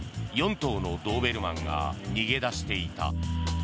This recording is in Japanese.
４頭のドーベルマンが逃げ出していた。